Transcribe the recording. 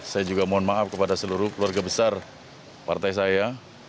saya juga mohon maaf kepada seluruh keluarga besar partai saya